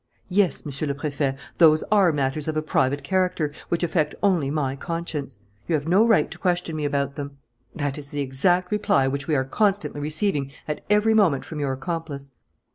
"Yes, Monsieur le Préfet, those are matters of a private character, which affect only my conscience. You have no right to question me about them." "That is the exact reply which we are constantly receiving at every moment from your accomplice."